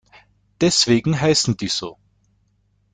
Deswegen heißen die so.